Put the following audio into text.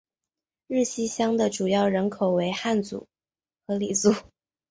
日溪乡的主要人口为汉族和畲族。